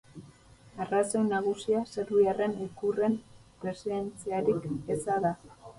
Arrazoi nagusia serbiarren ikurren presentziarik eza da.